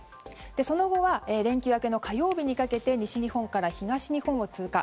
その後は連休明けの火曜日にかけて西日本から東日本を通過。